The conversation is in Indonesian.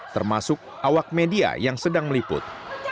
termasuk awak media yang sedang meliput